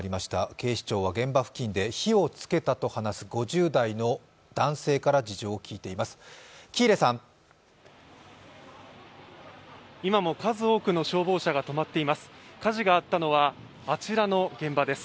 警視庁は現場付近で火をつけたと話す５０代の男性から事情を聴いています。